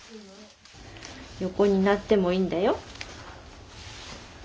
横になってもいいんだよ。